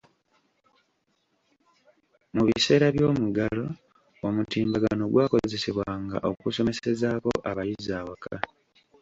Mu biseera by'omuggalo, omutimbagano gwakozesebwanga okusomesezaako abayizi awaka.